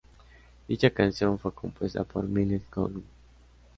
Dicha canción fue compuesta por Myles Goodwyn.